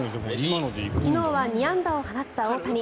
昨日は２安打を放った大谷。